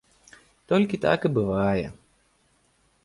Толькі так і бывае.